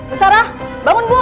bu sarah bangun bu